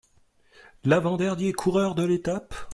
L'avant dernier coureur de l'étape.